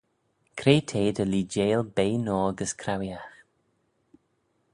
Cre t'eh dy leeideil bea noa gys craueeaght?